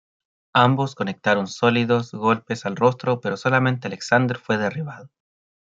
Ambos conectaron sólidos golpes al rostro pero solamente Alexander fue derribado.